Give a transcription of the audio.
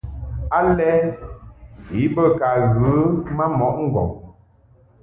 Alɛ i be ka ghə ma mɔʼ ŋgɔŋ.